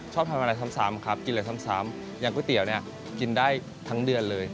ชอบทำอะไรซ้ำครับกินอะไรซ้ำอย่างก๋วยเตี๋ยวเนี่ยกินได้ทั้งเดือนเลย